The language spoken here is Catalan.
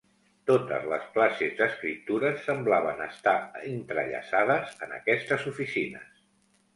Totes les classes d'escriptures semblaven estar entrellaçades en aquestes oficines.